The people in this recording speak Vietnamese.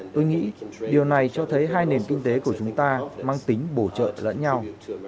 tôi nghĩ điều này cho thấy hai nền kinh tế của chúng ta mang tính bổ trợ lẫn nhau